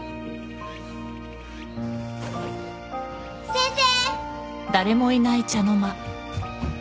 先生！